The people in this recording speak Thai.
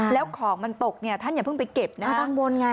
แล้วของมันตกท่านอย่าเพิ่งไปเก็บนะ